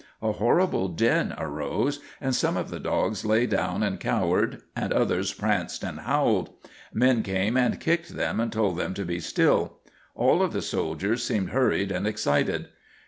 A horrible din arose, and some of the dogs lay down and cowered and others pranced and howled. Men came and kicked them and told them to be still; all of the soldiers seemed hurried and excited.